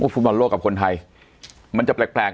ฟุตบอลโลกกับคนไทย